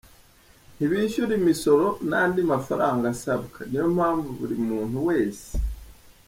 ntibishyura imisoro, n’andi mafaranga asabwa, niyo mpamvu buri muntu wese